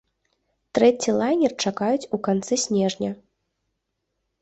Трэці лайнер чакаюць у канцы снежня.